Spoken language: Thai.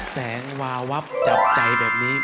แสงวาวับจับใจแบบนี้